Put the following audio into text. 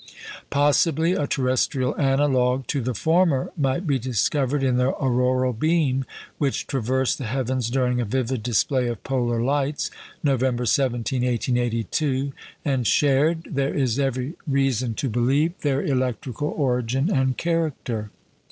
Possibly a terrestrial analogue to the former might be discovered in the "auroral beam" which traversed the heavens during a vivid display of polar lights, November 17, 1882, and shared, there is every reason to believe, their electrical origin and character.